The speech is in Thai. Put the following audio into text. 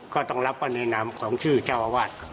ก็ต้องรับว่าในนามของชื่อเจ้าอาวาส